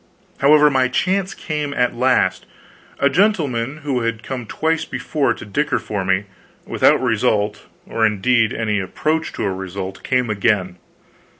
However, my chance came at last. A gentleman who had come twice before to dicker for me, without result, or indeed any approach to a result, came again.